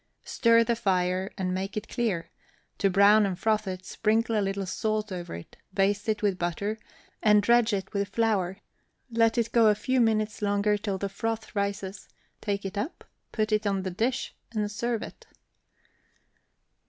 Stir the fire, and make it clear; to brown and froth it, sprinkle a little salt over it, baste it with butter, and dredge it with flour; let it go a few minutes longer till the froth rises, take it up, put it on the dish, and serve it.